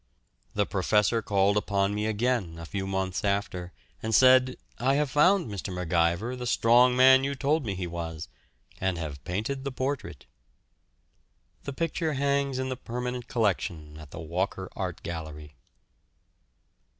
The Professor called upon me again a few months after and said "I have found Mr. MacIver, the strong man you told me he was, and have painted the portrait." The picture hangs in the permanent collection at the Walker Art Gallery.